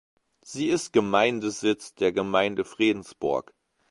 Sie ist Gemeindesitz der Gemeinde Fredensborg.